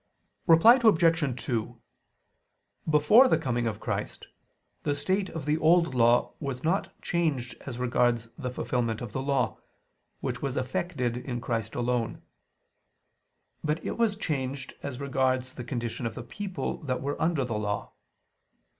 Reply Obj. 2: Before the coming of Christ, the state of the Old Law was not changed as regards the fulfilment of the Law, which was effected in Christ alone: but it was changed as regards the condition of the people that were under the Law.